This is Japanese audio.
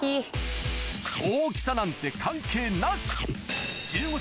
大きさなんて関係なし！